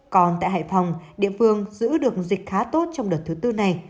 còn tại hải phòng địa phương giữ được dịch khá tốt trong đợt thứ tư này